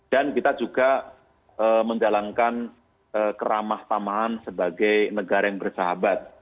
dan kita juga menjalankan keramah tamahan sebagai negara yang bersahabat